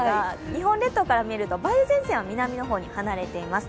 日本列島から見ると、梅雨前線は南の方に離れています。